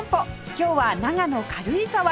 今日は長野軽井沢へ